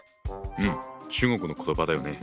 うん中国の言葉だよね。